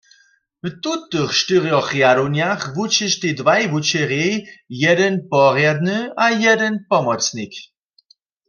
W tutych štyrjoch rjadownjach wučeštaj dwaj wučerjej, jedyn porjadny a jedyn pomocnik.